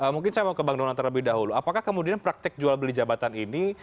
mungkin saya mau ke bang donald terlebih dahulu apakah kemudian praktek jual beli jabatan ini